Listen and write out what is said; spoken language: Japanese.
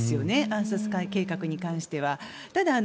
暗殺計画に関しては。